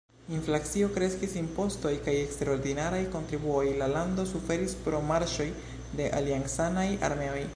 Inflacio kreskis, impostoj kaj eksterordinaraj kontribuoj, la lando suferis pro marŝoj de aliancanaj armeoj.